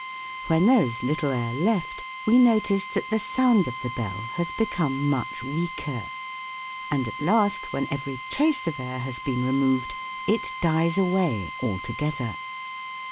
When there is little air left we notice that the sound of the bell has become much weaker. And at last, when every trace of air has been removed, it dies away altogether.